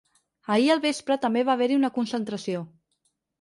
Ahir al vespre també va haver-hi una concentració.